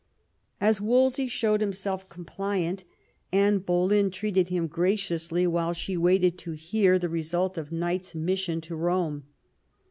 As Wolsey showed himself compliant, Anne Boleyn treated him graciously while she waited to hear the result of Knight's mission to Eome.